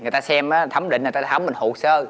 người ta xem thẩm định là người ta thẩm định hồ sơ